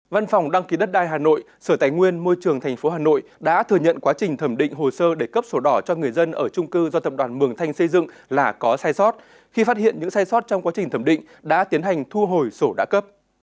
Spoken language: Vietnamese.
văn phòng đăng ký đất đai hà nội sở tài nguyên môi trường tp hà nội đã thừa nhận quá trình thẩm định hồ sơ để cấp sổ đỏ cho người dân ở trung cư do tập đoàn mường thanh xây dựng là có sai sót khi phát hiện những sai sót trong quá trình thẩm định đã tiến hành thu hồi sổ đã cấp